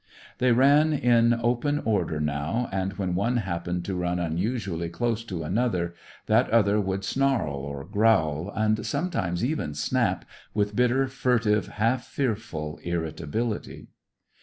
They ran in open order now, and when one happened to run unusually close to another, that other would snarl or growl, and, sometimes, even snap, with bitter, furtive, half fearful irritability.